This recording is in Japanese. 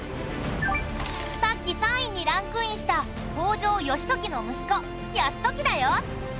さっき３位にランクインした北条義時の息子泰時だよ。